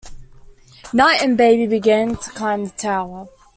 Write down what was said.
Knight and Baby begin to climb the tower.